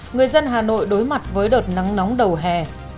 người dân hà nội đối mặt với đợt nắng nóng đầu hè